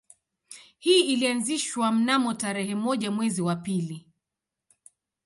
Hii ilianzishwa mnamo tarehe moja mwezi wa pili